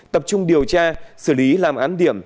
tập trung điều tra xử lý làm án điểm